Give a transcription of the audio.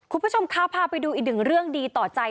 คุณผู้ชมคะพาไปดูอีกหนึ่งเรื่องดีต่อใจ